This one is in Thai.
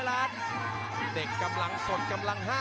อ่าเสียบด้วยขวา